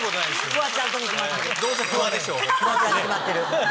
フワちゃんに決まってる。